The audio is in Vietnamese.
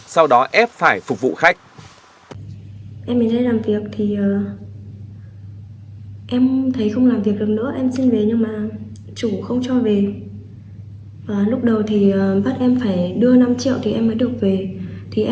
sau đó ép phải phục vụ khách